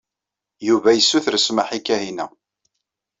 Yuba yessuter smeḥ i Kahina.